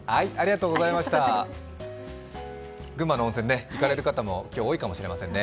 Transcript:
群馬の温泉、行かれる方も今日は多いかもしれませんね。